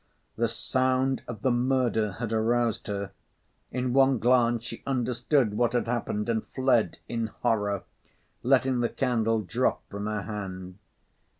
The sound of the murder had aroused her. In one glance she understood what had happened and fled in horror, letting the candle drop from her hand.